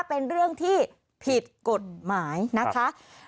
เป็นเรื่องที่ผิดกฎหมายนะคะ